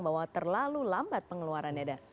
bahwa terlalu lambat pengeluarannya